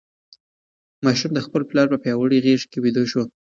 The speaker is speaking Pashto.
ماشوم د خپل پلار په پیاوړې غېږ کې ویده شو.